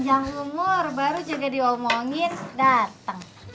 panjang umur baru juga diomongin dateng